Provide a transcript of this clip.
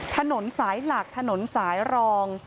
ถนนสายหลักถนนสายรอง